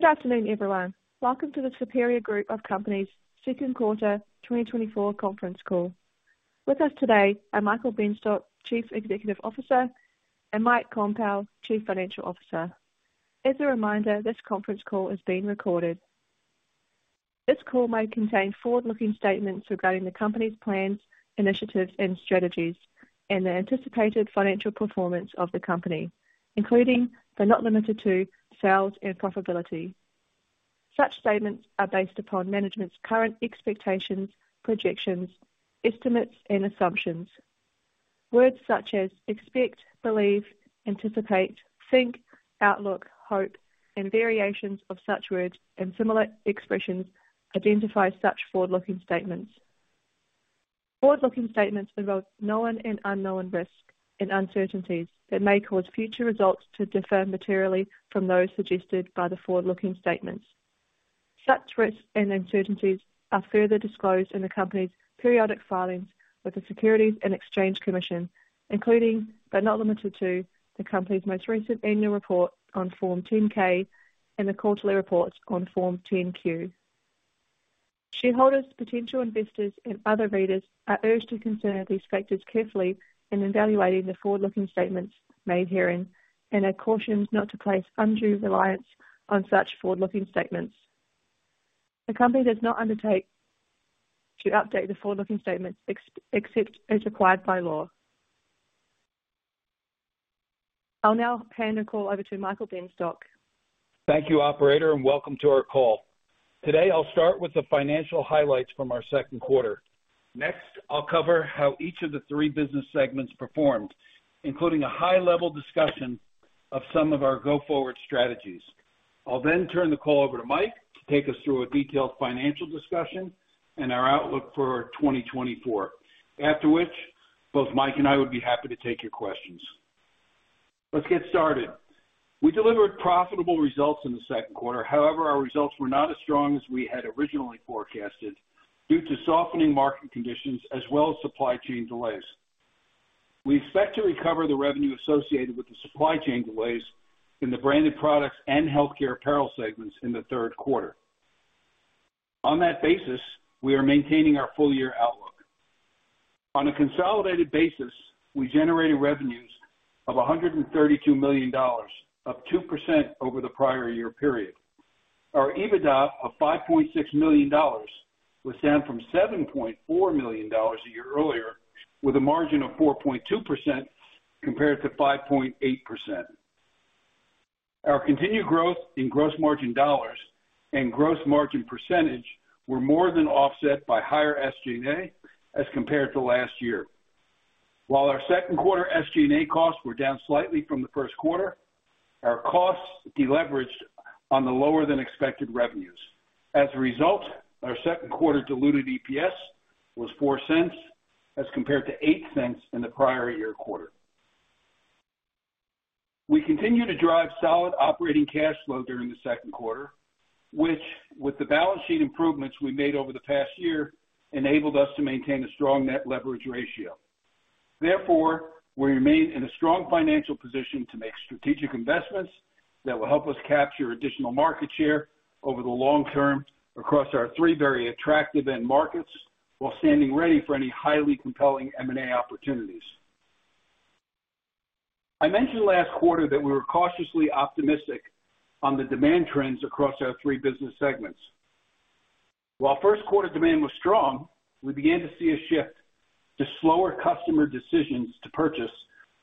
Good afternoon, everyone. Welcome to the Superior Group of Companies' Second Quarter 2024 Conference Call. With us today are Michael Benstock, Chief Executive Officer, and Mike Koempel, Chief Financial Officer. As a reminder, this conference call is being recorded. This call may contain forward-looking statements regarding the company's plans, initiatives, and strategies and the anticipated financial performance of the company, including, but not limited to, sales and profitability. Such statements are based upon management's current expectations, projections, estimates, and assumptions. Words such as expect, believe, anticipate, think, outlook, hope, and variations of such words and similar expressions identify such forward-looking statements. Forward-looking statements involve known and unknown risks and uncertainties that may cause future results to differ materially from those suggested by the forward-looking statements. Such risks and uncertainties are further disclosed in the company's periodic filings with the Securities and Exchange Commission, including, but not limited to, the company's most recent annual report on Form 10-K and the quarterly reports on Form 10-Q. Shareholders, potential investors, and other readers are urged to consider these factors carefully in evaluating the forward-looking statements made herein and are cautioned not to place undue reliance on such forward-looking statements. The company does not undertake to update the forward-looking statements, except as required by law. I'll now hand the call over to Michael Benstock. Thank you, operator, and welcome to our call. Today, I'll start with the financial highlights from our second quarter. Next, I'll cover how each of the three business segments performed, including a high-level discussion of some of our go-forward strategies. I'll then turn the call over to Mike to take us through a detailed financial discussion and our outlook for 2024. After which, both Mike and I would be happy to take your questions. Let's get started. We delivered profitable results in the second quarter. However, our results were not as strong as we had originally forecasted due to softening market conditions as well as supply chain delays. We expect to recover the revenue associated with the supply chain delays in the branded products and healthcare apparel segments in the third quarter. On that basis, we are maintaining our full-year outlook. On a consolidated basis, we generated revenues of $132 million, up 2% over the prior-year-period. Our EBITDA of $5.6 million was down from $7.4 million a year earlier, with a margin of 4.2% compared to 5.8%. Our continued growth in gross margin dollars and gross margin percentage were more than offset by higher SG&A as compared to last year. While our second quarter SG&A costs were down slightly from the first quarter, our costs deleveraged on the lower-than-expected revenues. As a result, our second quarter diluted EPS was $0.04, as compared to $0.08 in the prior year quarter. We continued to drive solid operating cash flow during the second quarter, which, with the balance sheet improvements we made over the past year, enabled us to maintain a strong net leverage ratio. Therefore, we remain in a strong financial position to make strategic investments that will help us capture additional market share over the long term across our three very attractive end markets, while standing ready for any highly compelling M&A opportunities. I mentioned last quarter that we were cautiously optimistic on the demand trends across our three business segments. While first quarter demand was strong, we began to see a shift to slower customer decisions to purchase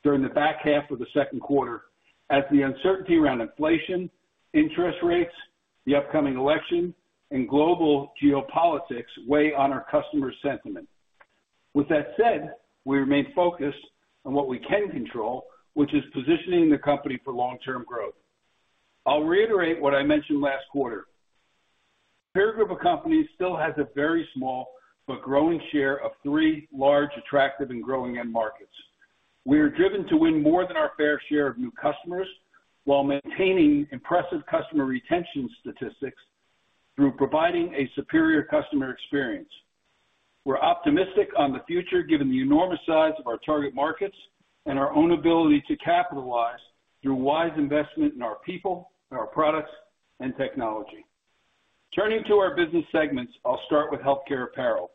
during the back half of the second quarter as the uncertainty around inflation, interest rates, the upcoming election, and global geopolitics weigh on our customers' sentiment. With that said, we remain focused on what we can control, which is positioning the company for long-term growth. I'll reiterate what I mentioned last quarter. Superior Group of Companies still has a very small but growing share of three large, attractive, and growing end markets. We are driven to win more than our fair share of new customers while maintaining impressive customer retention statistics through providing a superior customer experience. We're optimistic on the future, given the enormous size of our target markets and our own ability to capitalize through wise investment in our people, our products, and technology. Turning to our business segments, I'll start with healthcare apparel.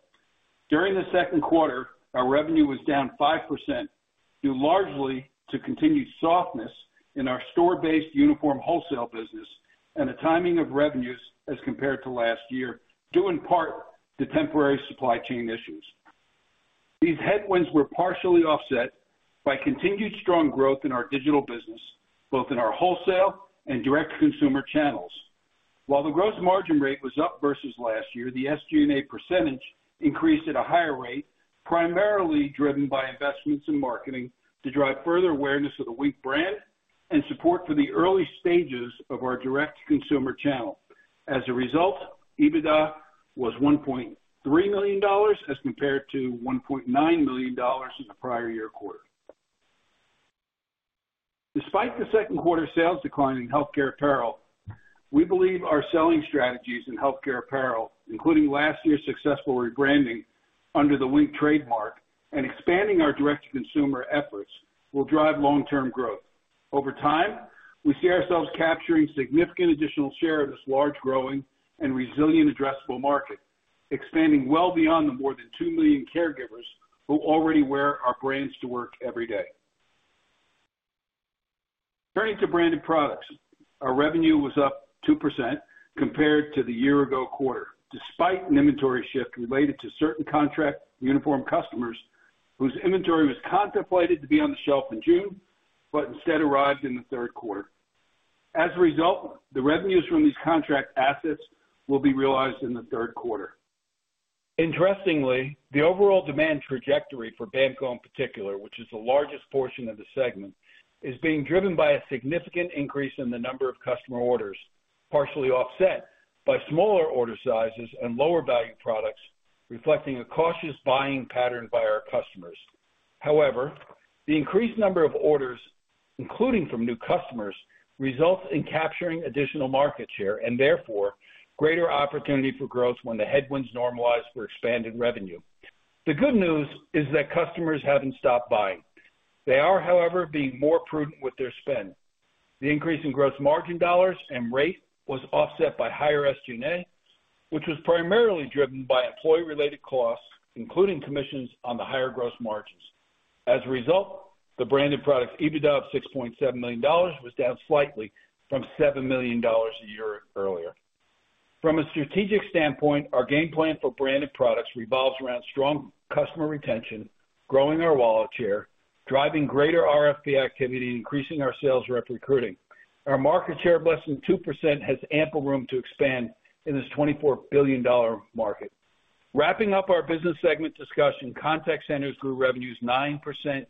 During the second quarter, our revenue was down 5%, due largely to continued softness in our store-based uniform wholesale business and the timing of revenues as compared to last year, due in part to temporary supply chain issues. These headwinds were partially offset by continued strong growth in our digital business, both in our wholesale and direct-to-consumer channels. While the gross margin rate was up versus last year, the SG&A percentage increased at a higher rate, primarily driven by investments in marketing to drive further awareness of the Wink brand and support for the early stages of our direct-to-consumer channel. As a result, EBITDA was $1.3 million as compared to $1.9 million in the prior year quarter. Despite the second quarter sales decline in healthcare apparel, we believe our selling strategies in healthcare apparel, including last year's successful rebranding under the Wink trademark and expanding our direct-to-consumer efforts will drive long-term growth. Over time, we see ourselves capturing significant additional share of this large, growing, and resilient addressable market, expanding well beyond the more than 2 million caregivers who already wear our brands to work every day. Turning to branded products, our revenue was up 2% compared to the year ago quarter, despite an inventory shift related to certain contract uniform customers, whose inventory was contemplated to be on the shelf in June, but instead arrived in the third quarter. As a result, the revenues from these contract assets will be realized in the third quarter. Interestingly, the overall demand trajectory for BAMKO in particular, which is the largest portion of the segment, is being driven by a significant increase in the number of customer orders, partially offset by smaller order sizes and lower value products, reflecting a cautious buying pattern by our customers. However, the increased number of orders, including from new customers, results in capturing additional market share and therefore greater opportunity for growth when the headwinds normalize for expanded revenue. The good news is that customers haven't stopped buying. They are, however, being more prudent with their spend. The increase in gross margin dollars and rate was offset by higher SG&A, which was primarily driven by employee-related costs, including commissions on the higher gross margins. As a result, the branded products EBITDA of $6.7 million was down slightly from $7 million a year earlier. From a strategic standpoint, our game plan for branded products revolves around strong customer retention, growing our wallet share, driving greater RFP activity, and increasing our sales rep recruiting. Our market share, less than 2%, has ample room to expand in this $24 billion market. Wrapping up our business segment discussion, contact centers grew revenues 9%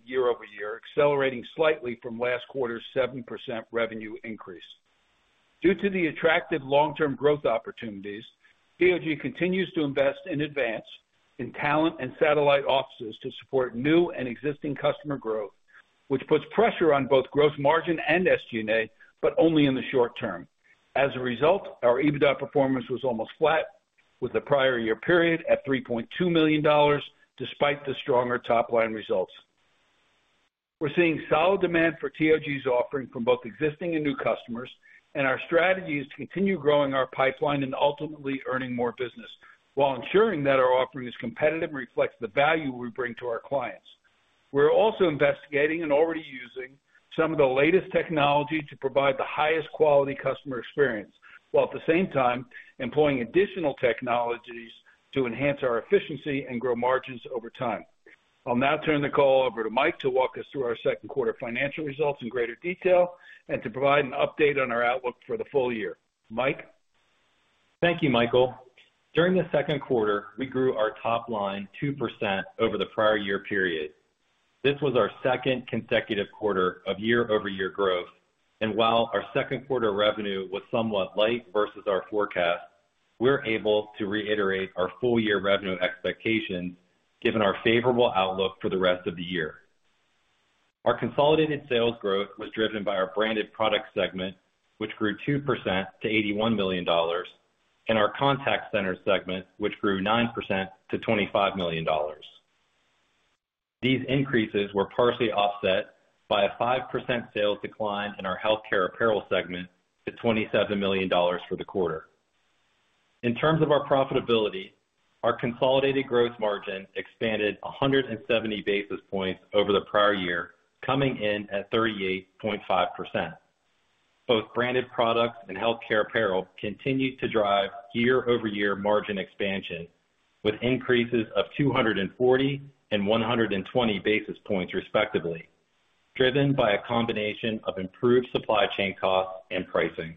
year-over-year, accelerating slightly from last quarter's 7% revenue increase. Due to the attractive long-term growth opportunities, TOG continues to invest in advance in talent and satellite offices to support new and existing customer growth, which puts pressure on both gross margin and SG&A, but only in the short term. As a result, our EBITDA performance was almost flat, with the prior year period at $3.2 million, despite the stronger top-line results. We're seeing solid demand for TOG's offering from both existing and new customers, and our strategy is to continue growing our pipeline and ultimately earning more business, while ensuring that our offering is competitive and reflects the value we bring to our clients. We're also investigating and already using some of the latest technology to provide the highest quality customer experience, while at the same time employing additional technologies to enhance our efficiency and grow margins over time. I'll now turn the call over to Mike to walk us through our second quarter financial results in greater detail and to provide an update on our outlook for the full year. Mike? Thank you, Michael. During the second quarter, we grew our top line 2% over the prior year period. This was our second consecutive quarter of year-over-year growth, and while our second quarter revenue was somewhat light versus our forecast, we're able to reiterate our full year revenue expectations, given our favorable outlook for the rest of the year. Our consolidated sales growth was driven by our branded product segment, which grew 2% to $81 million, and our contact center segment, which grew 9% to $25 million. These increases were partially offset by a 5% sales decline in our healthcare apparel segment to $27 million for the quarter. In terms of our profitability, our consolidated growth margin expanded 170 basis points over the prior year, coming in at 38.5%. Both branded products and healthcare apparel continued to drive year-over-year margin expansion, with increases of 240 and 120 basis points, respectively, driven by a combination of improved supply chain costs and pricing.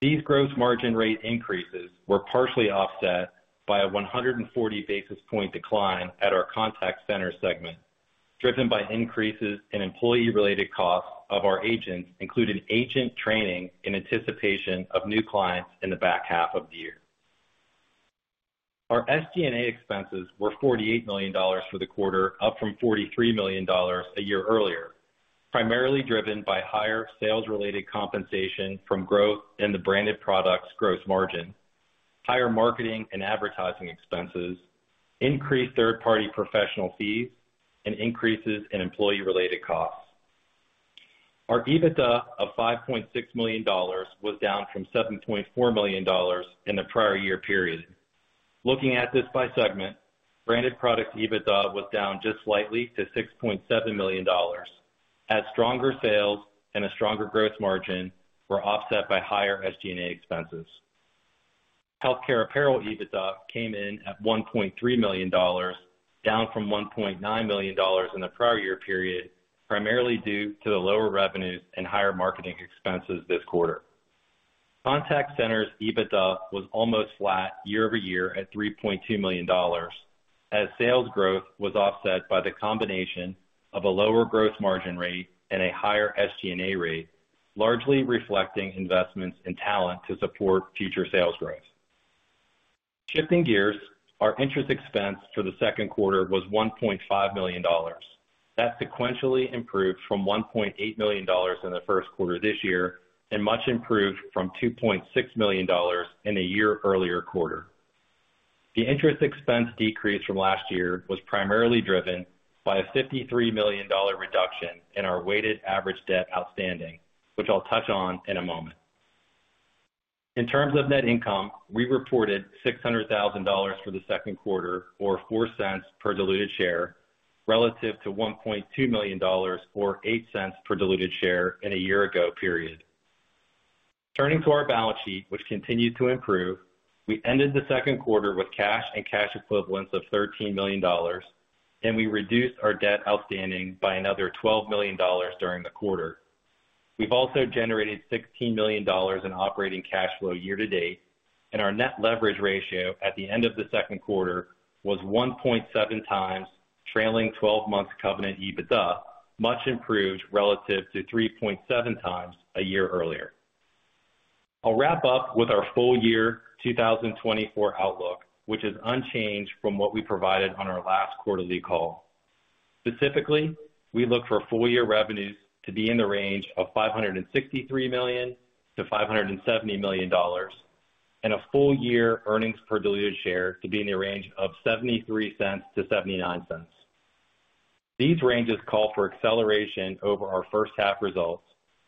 These gross margin rate increases were partially offset by a 140 basis point decline at our contact center segment, driven by increases in employee-related costs of our agents, including agent training, in anticipation of new clients in the back half of the year. Our SG&A expenses were $48 million for the quarter, up from $43 million a year earlier, primarily driven by higher sales-related compensation from growth in the branded products gross margin, higher marketing and advertising expenses, increased third-party professional fees, and increases in employee-related costs. Our EBITDA of $5.6 million was down from $7.4 million in the prior year period. Looking at this by segment, branded products EBITDA was down just slightly to $6.7 million, as stronger sales and a stronger growth margin were offset by higher SG&A expenses. Healthcare apparel EBITDA came in at $1.3 million, down from $1.9 million in the prior year period, primarily due to the lower revenues and higher marketing expenses this quarter. Contact centers EBITDA was almost flat year-over-year at $3.2 million, as sales growth was offset by the combination of a lower gross margin rate and a higher SG&A rate, largely reflecting investments in talent to support future sales growth. Shifting gears, our interest expense for the second quarter was $1.5 million, that sequentially improved from $1.8 million in the first quarter this year, and much improved from $2.6 million in a year earlier quarter. The interest expense decrease from last year was primarily driven by a $53 million reduction in our weighted average debt outstanding, which I'll touch on in a moment. In terms of net income, we reported $600,000 for the second quarter, or $0.04 per diluted share, relative to $1.2 million, or $0.08 per diluted share in a year ago period. Turning to our balance sheet, which continued to improve, we ended the second quarter with cash and cash equivalents of $13 million, and we reduced our debt outstanding by another $12 million during the quarter. We've also generated $16 million in operating cash flow year to date, and our net leverage ratio at the end of the second quarter was 1.7 times trailing 12-month covenant EBITDA, much improved relative to 3.7 times a year earlier. I'll wrap up with our full year 2024 outlook, which is unchanged from what we provided on our last quarterly call. Specifically, we look for full year revenues to be in the range of $563 million-$570 million, and a full year earnings per diluted share to be in the range of $0.73-$0.79. These ranges call for acceleration over our first half results,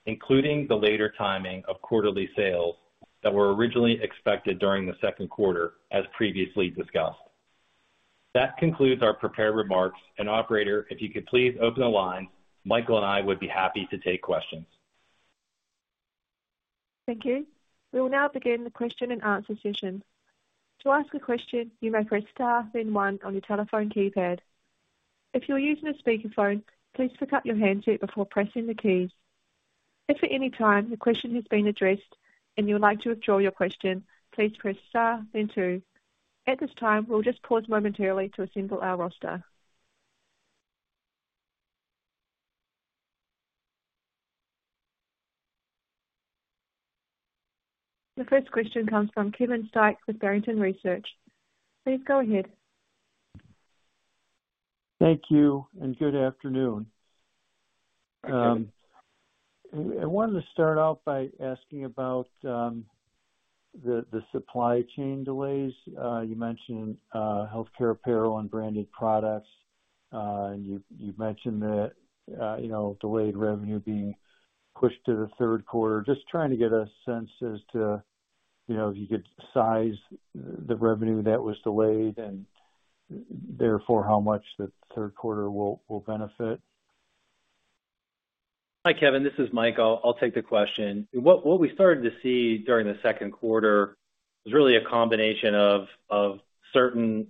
including the later timing of quarterly sales that were originally expected during the second quarter, as previously discussed. That concludes our prepared remarks, and operator, if you could please open the line. Michael and I would be happy to take questions. Thank you. We will now begin the question-and-answer session. To ask a question, you may press star then one on your telephone keypad. If you're using a speakerphone, please pick up your handset before pressing the keys. If at any time your question has been addressed and you would like to withdraw your question, please press star then two. At this time, we'll just pause momentarily to assemble our roster. The first question comes from Kevin Steinke with Barrington Research. Please go ahead. Thank you, and good afternoon. I wanted to start out by asking about the supply chain delays. You mentioned healthcare apparel and branded products, and you've mentioned that you know, delayed revenue being pushed to the third quarter. Just trying to get a sense as to you know, if you could size the revenue that was delayed and therefore how much the third quarter will benefit. Hi, Kevin, this is Mike. I'll take the question. What we started to see during the second quarter was really a combination of certain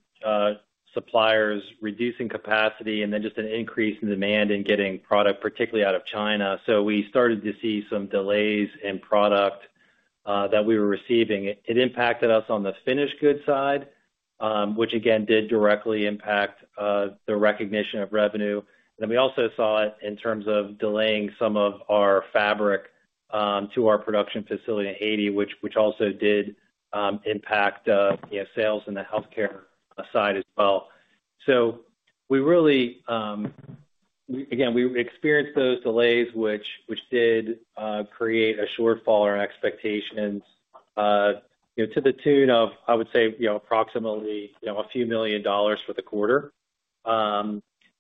suppliers reducing capacity and then just an increase in demand in getting product, particularly out of China. So we started to see some delays in product that we were receiving. It impacted us on the finished goods side, which again did directly impact the recognition of revenue. And then we also saw it in terms of delaying some of our fabric to our production facility in Haiti, which also did impact you know, sales in the healthcare side as well. So we really, again, we experienced those delays, which did create a shortfall in our expectations, you know, to the tune of, I would say, you know, approximately, you know, a few million for the quarter.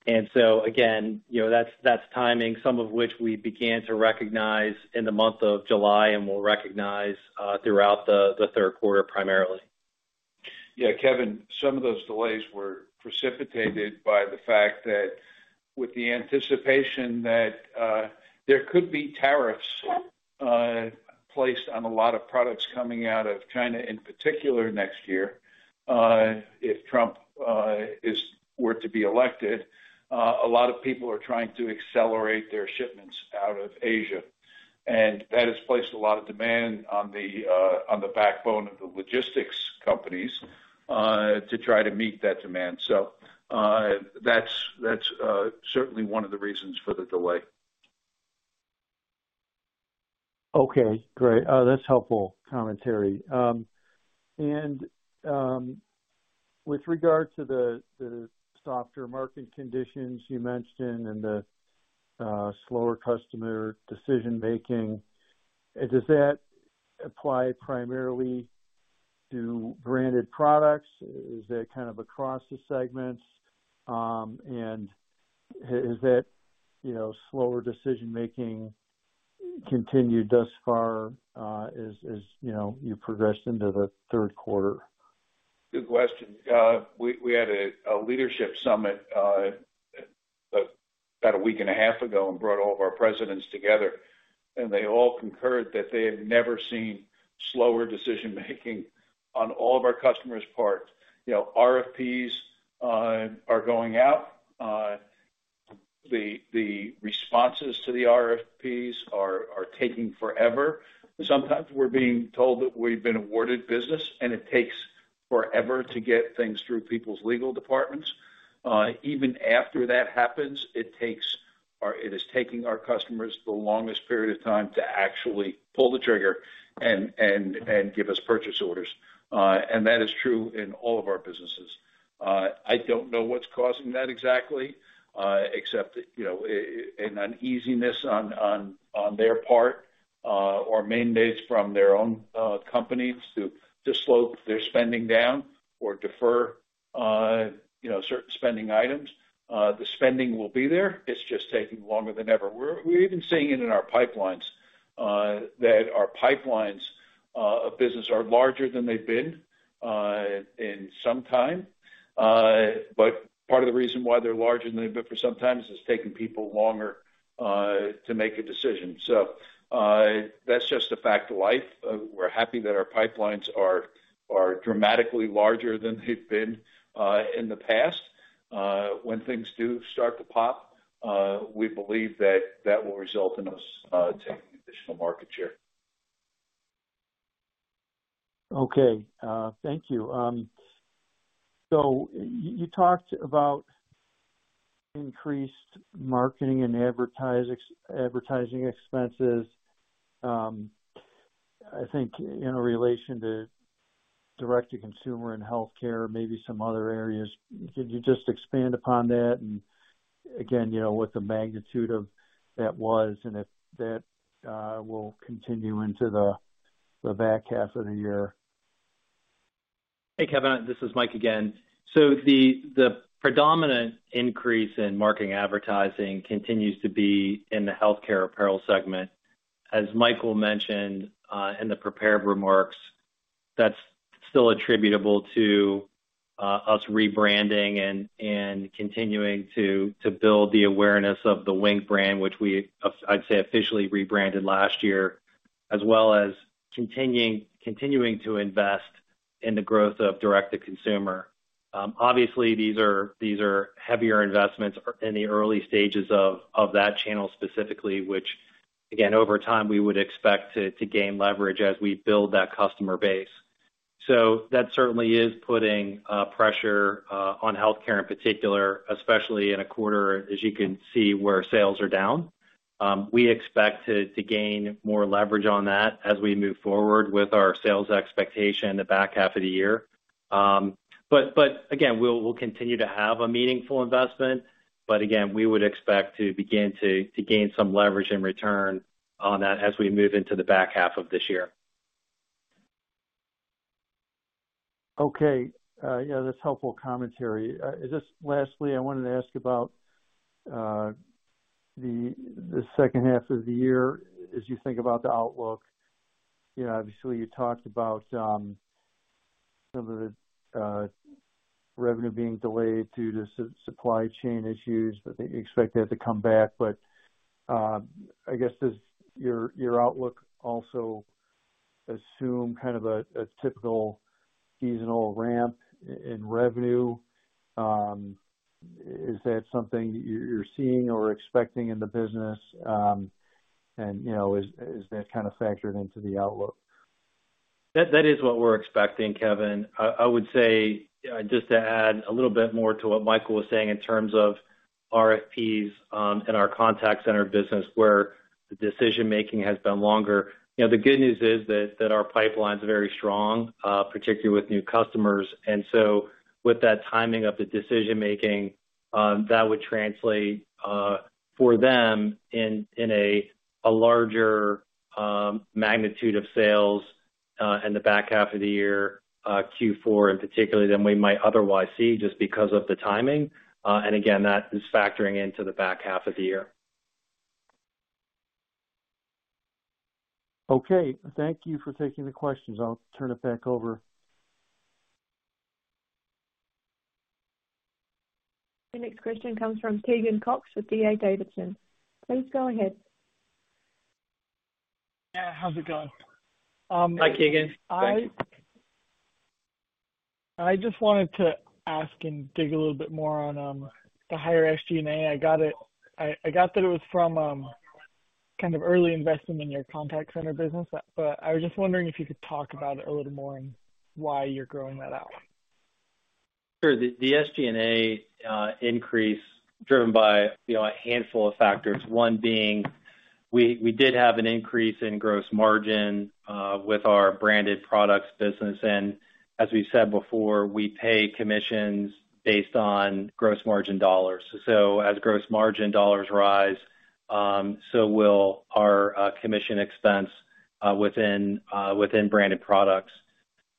And so again, you know, that's timing, some of which we began to recognize in the month of July and will recognize, throughout the third quarter, primarily. Yeah, Kevin, some of those delays were precipitated by the fact that with the anticipation that there could be tariffs placed on a lot of products coming out of China, in particular next year, if Trump were to be elected, a lot of people are trying to accelerate their shipments out of Asia, and that has placed a lot of demand on the backbone of the logistics companies to try to meet that demand. So, that's certainly one of the reasons for the delay. Okay, great. That's helpful commentary. And with regard to the softer market conditions you mentioned and the slower customer decision making, does that apply primarily to branded products? Is that kind of across the segments? And is that, you know, slower decision-making continued thus far, as you know, you progressed into the third quarter? Good question. We had a leadership summit about a week and a half ago and brought all of our presidents together, and they all concurred that they have never seen slower decision making on all of our customers' parts. You know, RFPs are going out. The responses to the RFPs are taking forever. Sometimes we're being told that we've been awarded business, and it takes forever to get things through people's legal departments. Even after that happens, it is taking our customers the longest period of time to actually pull the trigger and give us purchase orders. And that is true in all of our businesses. I don't know what's causing that exactly, except, you know, an uneasiness on their part, or mandates from their own companies to slow their spending down or defer, you know, certain spending items. The spending will be there. It's just taking longer than ever. We're even seeing it in our pipelines, that our pipelines of business are larger than they've been in some time. But part of the reason why they're larger than they've been for some time is it's taking people longer to make a decision. So, that's just a fact of life. We're happy that our pipelines are dramatically larger than they've been in the past. When things do start to pop, we believe that that will result in us taking additional market share. Okay, thank you. So you talked about increased marketing and advertising expenses, I think in relation to direct-to-consumer and healthcare, maybe some other areas. Could you just expand upon that? And again, you know, what the magnitude of that was, and if that will continue into the back half of the year. Hey, Kevin, this is Mike again. So the predominant increase in marketing advertising continues to be in the healthcare apparel segment. As Michael mentioned in the prepared remarks, that's still attributable to us rebranding and continuing to build the awareness of the Wink brand, which we, I'd say, officially rebranded last year, as well as continuing to invest in the growth of direct-to-consumer. Obviously, these are heavier investments in the early stages of that channel specifically, which, again, over time, we would expect to gain leverage as we build that customer base. So that certainly is putting pressure on healthcare in particular, especially in a quarter, as you can see, where sales are down. We expect to gain more leverage on that as we move forward with our sales expectation in the back half of the year. But again, we'll continue to have a meaningful investment. But again, we would expect to begin to gain some leverage and return on that as we move into the back half of this year. Okay, yeah, that's helpful commentary. Just lastly, I wanted to ask about the second half of the year as you think about the outlook. You know, obviously, you talked about some of the revenue being delayed due to supply chain issues, but that you expect that to come back. But I guess, does your outlook also assume kind of a typical seasonal ramp in revenue? Is that something you're seeing or expecting in the business? And you know, is that kind of factored into the outlook? That, that is what we're expecting, Kevin. I, I would say, just to add a little bit more to what Michael was saying in terms of RFPs, and our contact center business, where the decision making has been longer. You know, the good news is that, that our pipeline is very strong, particularly with new customers, and so with that timing of the decision making, that would translate, for them in, in a, a larger, magnitude of sales, in the back half of the year, Q4 in particular, than we might otherwise see just because of the timing. And again, that is factoring into the back half of the year. Okay. Thank you for taking the questions. I'll turn it back over. The next question comes from Keegan Cox with D.A. Davidson. Please go ahead. Yeah, how's it going? Hi, Keegan. I just wanted to ask and dig a little bit more on the higher SG&A. I got it—I got that it was from kind of early investment in your contact center business, but I was just wondering if you could talk about it a little more and why you're growing that out. Sure. The SG&A increase, driven by, you know, a handful of factors, one being we did have an increase in gross margin with our branded products business. And as we've said before, we pay commissions based on gross margin dollars. So as gross margin dollars rise, so will our commission expense within branded products.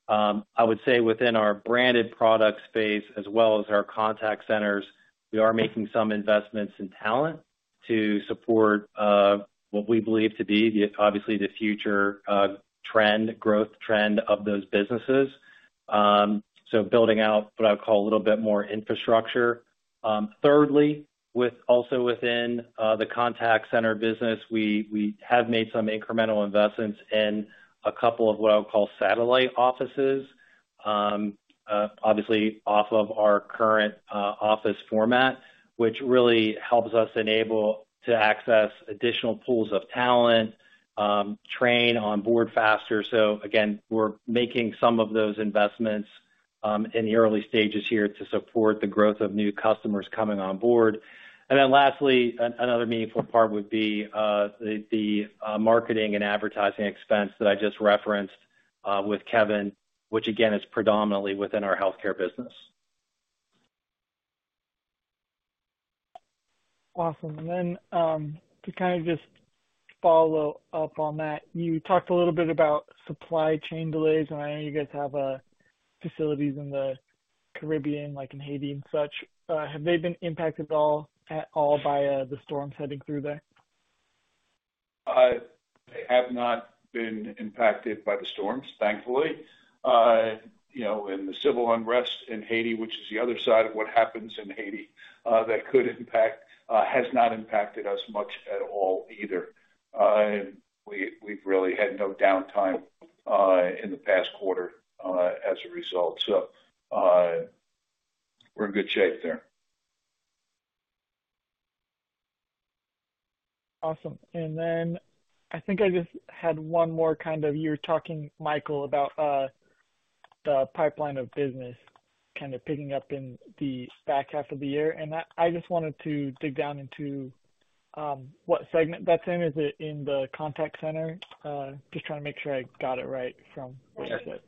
I would say within our branded product space as well as our contact centers, we are making some investments in talent to support what we believe to be the, obviously, the future trend, growth trend of those businesses. So building out what I would call a little bit more infrastructure. Thirdly, also within the contact center business, we have made some incremental investments in a couple of what I would call satellite offices. Obviously, off of our current office format, which really helps us enable to access additional pools of talent, train onboard faster. So again, we're making some of those investments in the early stages here to support the growth of new customers coming onboard. And then lastly, another meaningful part would be the marketing and advertising expense that I just referenced with Kevin, which again, is predominantly within our healthcare business. Awesome. Then, to kind of just follow up on that, you talked a little bit about supply chain delays, and I know you guys have facilities in the Caribbean, like in Haiti and such. Have they been impacted at all, at all by the storms heading through there? They have not been impacted by the storms, thankfully. You know, and the civil unrest in Haiti, which is the other side of what happens in Haiti, that could impact, has not impacted us much at all either. We've really had no downtime in the past quarter as a result. So, we're in good shape there. Awesome. And then I think I just had one more kind of you talking, Michael, about the pipeline of business kind of picking up in the back half of the year, and I just wanted to dig down into what segment that's in. Is it in the contact center? Just trying to make sure I got it right from what you said.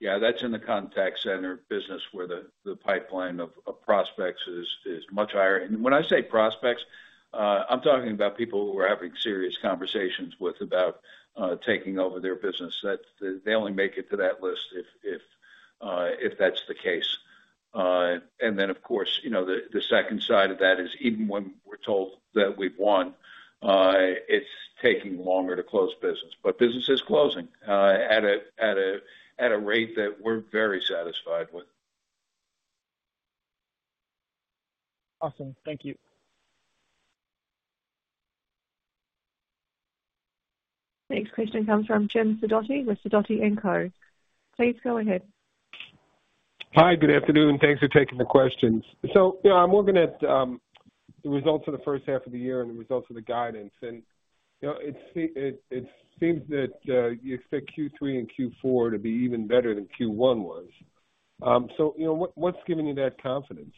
Yeah, that's in the contact center business, where the pipeline of prospects is much higher. And when I say prospects, I'm talking about people who we're having serious conversations with about taking over their business. They only make it to that list if that's the case. And then, of course, you know, the second side of that is, even when we're told that we've won, it's taking longer to close business. But business is closing at a rate that we're very satisfied with. Awesome. Thank you. Next question comes from Jim Sidoti with Sidoti & Co. Please go ahead. Hi, good afternoon, and thanks for taking the questions. So, you know, I'm looking at the results for the first half of the year and the results of the guidance, and, you know, it seems that you expect Q3 and Q4 to be even better than Q1 was. So, you know, what, what's giving you that confidence?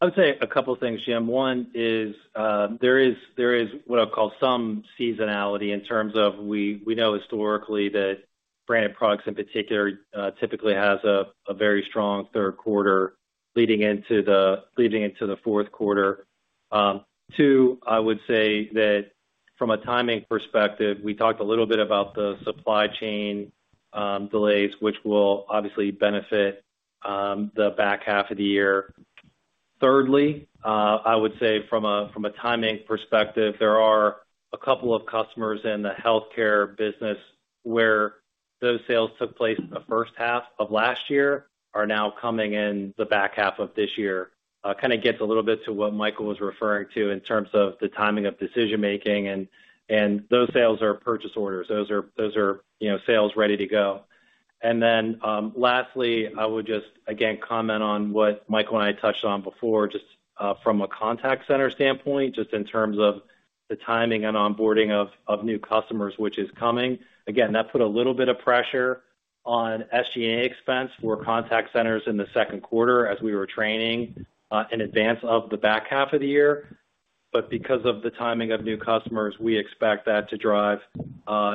I would say a couple things, Jim. One is, there is what I'll call some seasonality in terms of we know historically that branded products in particular typically has a very strong third quarter leading into the fourth quarter. Two, I would say that from a timing perspective, we talked a little bit about the supply chain delays, which will obviously benefit the back half of the year. Thirdly, I would say from a timing perspective, there are a couple of customers in the healthcare business where those sales took place in the first half of last year, are now coming in the back half of this year. Kind of gets a little bit to what Michael was referring to in terms of the timing of decision making, and those sales are purchase orders. Those are, you know, sales ready to go. And then, lastly, I would just again comment on what Michael and I touched on before, just from a contact center standpoint, just in terms of the timing and onboarding of new customers, which is coming. Again, that put a little bit of pressure on SG&A expense for contact centers in the second quarter as we were training in advance of the back half of the year. But because of the timing of new customers, we expect that to drive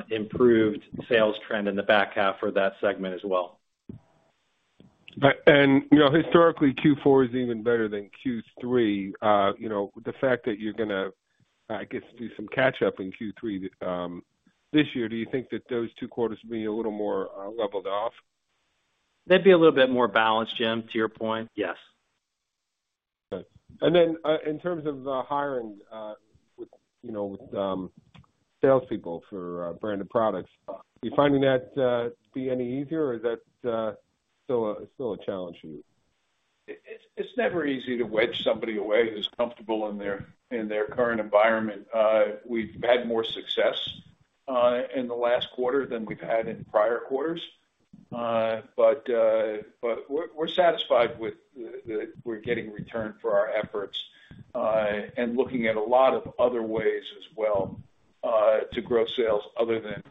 improved sales trend in the back half for that segment as well. You know, historically, Q4 is even better than Q3. You know, the fact that you're gonna, I guess, do some catch up in Q3, this year, do you think that those two quarters will be a little more leveled off? They'd be a little bit more balanced, Jim, to your point. Yes. Good. And then, in terms of hiring with, you know, with salespeople for branded products, are you finding that to be any easier, or is that still a challenge for you? It's never easy to wedge somebody away who's comfortable in their current environment. We've had more success in the last quarter than we've had in prior quarters. But we're satisfied with that we're getting return for our efforts, and looking at a lot of other ways as well to grow sales other than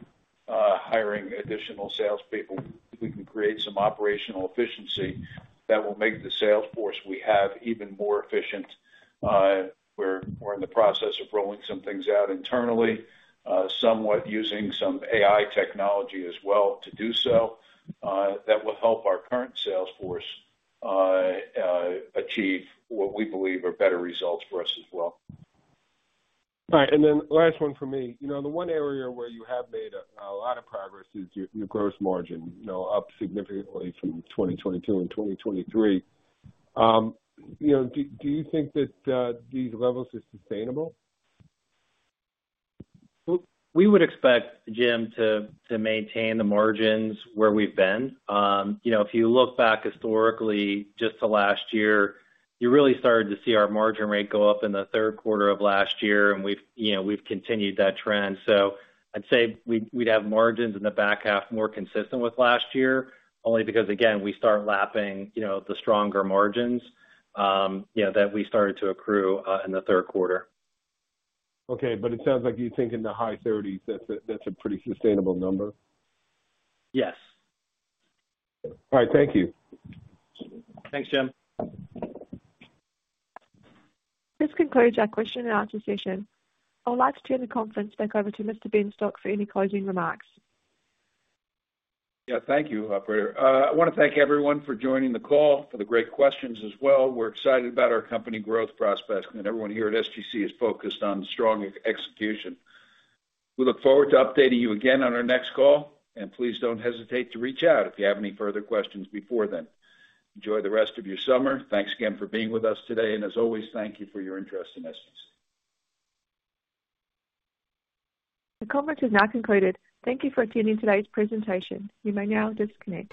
hiring additional salespeople. We can create some operational efficiency that will make the sales force we have even more efficient. We're in the process of rolling some things out internally, somewhat using some AI technology as well to do so. That will help our current sales force achieve what we believe are better results for us as well. All right, and then last one for me. You know, the one area where you have made a lot of progress is your gross margin. You know, up significantly from 2022 and 2023. You know, do you think that these levels are sustainable? We would expect, Jim, to maintain the margins where we've been. You know, if you look back historically, just the last year, you really started to see our margin rate go up in the third quarter of last year, and we've, you know, we've continued that trend. So I'd say we'd have margins in the back half more consistent with last year, only because, again, we start lapping, you know, the stronger margins, you know, that we started to accrue in the third quarter. Okay, but it sounds like you think in the high thirties, that's a, that's a pretty sustainable number? Yes. All right. Thank you. Thanks, Jim. This concludes our question and answer session. I'd like to turn the conference back over to Mr. Benstock for any closing remarks. Yeah, thank you, operator. I wanna thank everyone for joining the call, for the great questions as well. We're excited about our company growth prospects, and everyone here at SGC is focused on strong execution. We look forward to updating you again on our next call, and please don't hesitate to reach out if you have any further questions before then. Enjoy the rest of your summer. Thanks again for being with us today, and as always, thank you for your interest in SGC. The conference is now concluded. Thank you for attending today's presentation. You may now disconnect.